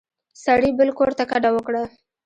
سړي بل کور ته کډه وکړه.